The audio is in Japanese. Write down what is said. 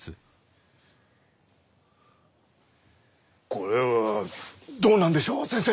これは。どうなんでしょう先生！